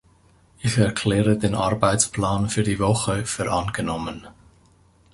Ich erkläre den Arbeitsplan für die Woche für angenommen.